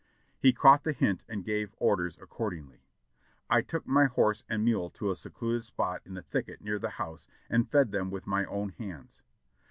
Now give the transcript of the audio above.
He caught the hint and gave orders accordingly. I took my horse and mule to a secluded spot in a thicket near the house and fed them with my own hands.